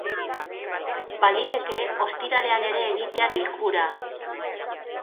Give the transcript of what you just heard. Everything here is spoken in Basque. Baliteke ostiralean ere egitea bilkura.